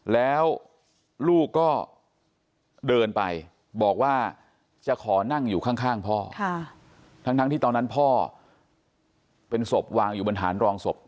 แล้วลูกก็เดินไปบอกว่าจะขอนั่งอยู่ข้างพ่อทั้งที่ตอนนั้นพ่อเป็นศพวางอยู่บนฐานรองศพ